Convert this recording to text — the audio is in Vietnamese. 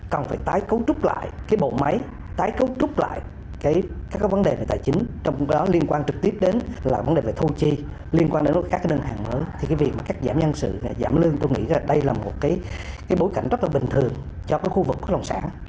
cổ phiếu để tăng vốn